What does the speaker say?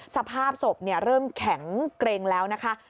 สภาพศพเริ่มแข็งเกร็งแล้วนะคะ